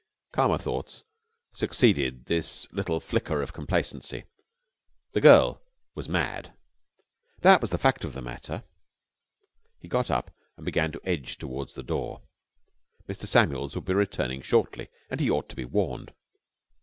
Calmer thoughts succeeded this little flicker of complacency. The girl was mad. That was the fact of the matter. He got up and began to edge towards the door. Mr. Samuel would be returning shortly, and he ought to be warned.